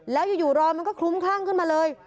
แล้วอยู่รอยมันก็คลุ้มคลั่งขึ้นมาเลย